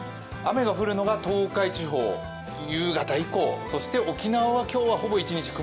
雨が降るのが東海地方夕方以降そして沖縄は今日はほぼ一日